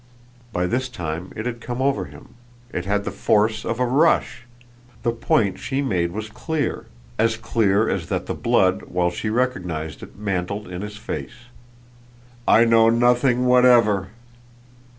By this time it had come over him it had the force of a rush. The point she made was clear, as clear as that the blood, while he recognised it, mantled in his face. "I know nothing whatever."